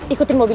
lho terima kasih